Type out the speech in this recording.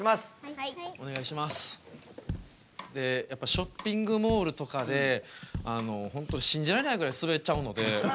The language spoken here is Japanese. ショッピングモールとかで本当信じられないぐらいスベっちゃうので。